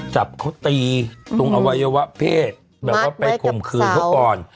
จับเขาตีตรงอวัยวะเพศแบบว่าไปคมคืนทุกปอนด์